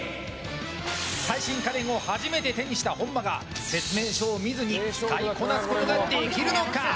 最新家電を初めて手にした本間が説明書を見ずに使いこなすことができるのか。